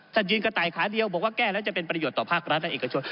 ท่านยืนกระต่ายขาเดียวบอกว่าแก้แล้วจะเป็นประโยชน์ต่อภาครัฐ